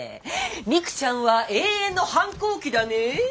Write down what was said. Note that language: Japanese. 未来ちゃんは永遠の反抗期だね。